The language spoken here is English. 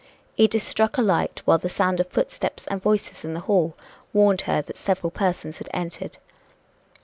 Edith struck a light, while the sound of footsteps and voices in the hall warned her that several persons had entered.